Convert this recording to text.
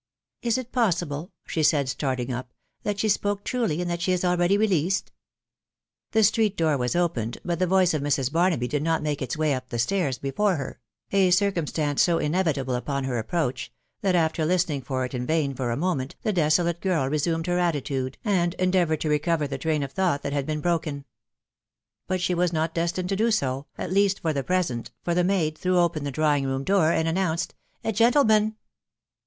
"Is it possible," she said, starting up, " that she spoke truly, and that she is already released?" The street door was opened, but the voice of Mrs. Barnaby did not make its way up the stairs before her, — a circumstance so inevitable upon her approach, — that, after listening for it in vain for a moment, the desolate girl resumed her attitude, and endeavoured to recover the train of thought that had been broken. But she was not destined to do so, at least for the present, for the maid threw open the drawing room door, and announced "A gentleman."